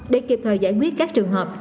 để kịp thời giải quyết các trường hợp